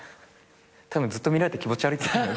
たぶんずっと見られて気持ち悪いって。